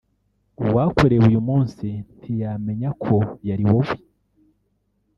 uwakureba uyu munsi ntiyamenya ko yari wowe